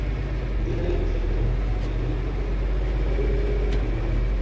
কিন্তু Hillary president হলে Bill Bill ক্লিনটনের পদবির বিষয়ে চলছে নানান আলোচনা।